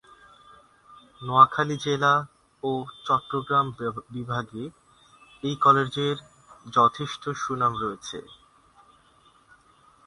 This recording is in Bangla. নোয়াখালী জেলা ও চট্রগ্রাম বিভাগে এই কলেজের যথেষ্ট সুনাম রয়েছে।